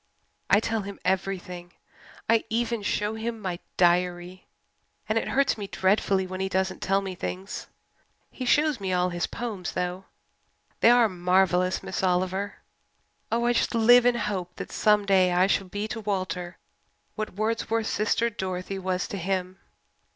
I tell him everything I even show him my diary. And it hurts me dreadfully when he doesn't tell me things. He shows me all his poems, though they are marvellous, Miss Oliver. Oh, I just live in the hope that some day I shall be to Walter what Wordsworth's sister Dorothy was to him.